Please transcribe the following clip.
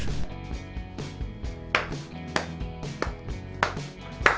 kalo kita berpikir positif ngapain mikir negatif